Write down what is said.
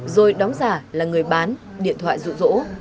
rồi đóng giả là người bán điện thoại rụ rỗ